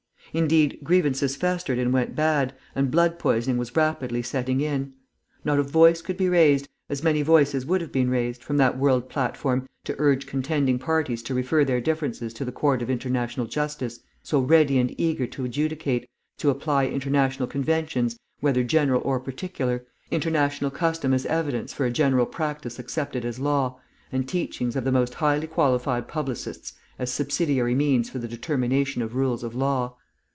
Instead, grievances festered and went bad, and blood poisoning was rapidly setting in. Not a voice could be raised, as many voices would have been raised, from that world platform, to urge contending parties to refer their differences to the Court of International Justice, so ready and eager to adjudicate, to apply international conventions, whether general or particular, international custom as evidence for a general practice accepted as law, and teachings of the most highly qualified publicists as subsidiary means for the determination of rules of law.